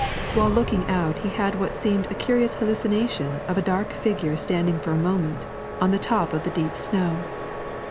While looking out he had what seemed a curious hallucination of a dark figure standing for a moment on the top of the deep snow.